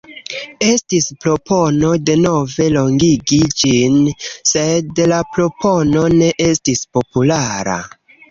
Estis propono denove longigi ĝin, sed la propono ne estis populara.